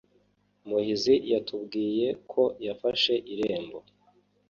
Muhizi yatubwiye ko yafashe irembo